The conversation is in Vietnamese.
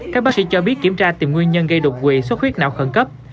các bác sĩ cho biết kiểm tra tìm nguyên nhân gây đột quỵ xuất khuyết não khẩn cấp